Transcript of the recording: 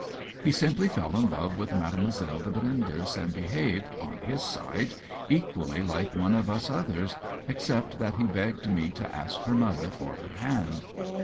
He simply fell in love with Mademoiselle de Brindes and behaved, on his side, equally like one of us others, except that he begged me to ask her mother for her hand.